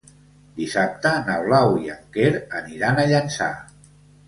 Dissabte na Blau i en Quer aniran a Llançà.